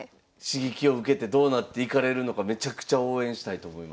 刺激を受けてどうなっていかれるのかめちゃくちゃ応援したいと思います。